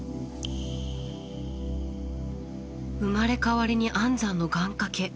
生まれ変わりに安産の願かけ。